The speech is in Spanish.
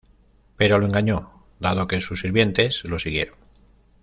Pero lo engañó, dado que sus sirvientes lo siguieron.